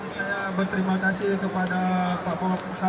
assalamu'alaikum warahmatullahi wabarakatuh